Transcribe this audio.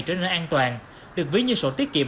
trở nên an toàn được ví như sổ tiết kiệm